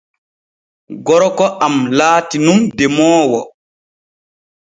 Gorko am laati nun demoowo.